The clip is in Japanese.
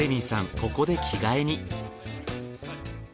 ここで着替えに。